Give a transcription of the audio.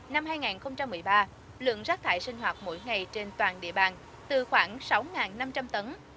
năm hai nghìn một mươi ba lượng rác thải sinh hoạt mỗi ngày trên toàn địa bàn từ khoảng sáu năm trăm linh tấn